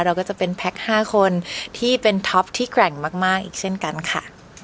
เราก็จะเป็นแพ็ค๕คนที่เป็นท็อปที่แกร่งมากอีกเช่นกันค่ะ